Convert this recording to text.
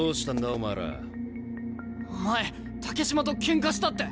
お前竹島とケンカしたって？